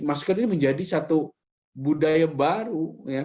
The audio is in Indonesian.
masker ini menjadi satu budaya baru